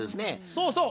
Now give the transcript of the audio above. そうそう。